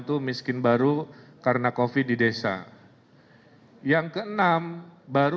ketiga mereka akan dibantu oleh bdb